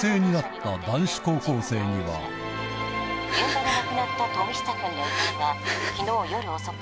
現場で亡くなった富久くんの遺体は昨日夜遅く。